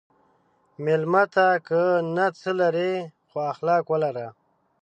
مېلمه ته که نه څه لرې، خو اخلاق ولره.